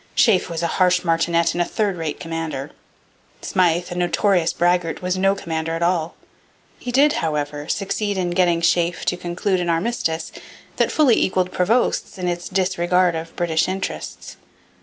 Sheaffe was a harsh martinet and a third rate commander. Smyth, a notorious braggart, was no commander at all. He did, however, succeed in getting Sheaffe to conclude an armistice that fully equalled Prevost's in its disregard of British interests.